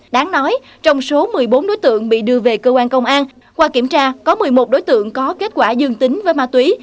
đáng nói trong số một mươi bốn đối tượng bị đưa về cơ quan công an qua kiểm tra có một mươi một đối tượng có kết quả dương tính với ma túy